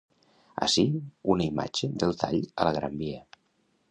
Ací, una imatge del tall a la Gran Via.